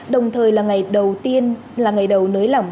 đồng thời là ngày đầu nới lỏng